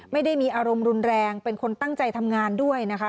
ไม่ได้มีอารมณ์รุนแรงเป็นคนตั้งใจทำงานด้วยนะคะ